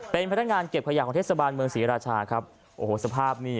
เป็นพนักงานเก็บขยะของเทศบาลเมืองศรีราชาครับโอ้โหสภาพนี่